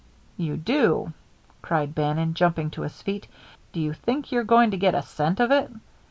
"You do!" cried Bannon, jumping to his feet. "Do you think you're going to get a cent of it?